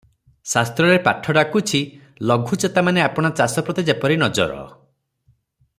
ଶାସ୍ତ୍ରରେ ପାଠ ଡାକୁଛି ଲଘୁଚେତାମାନେ ଆପଣା ଚାଷ ପ୍ରତି ଯେପରି ନଜର